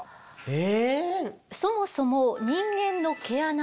え！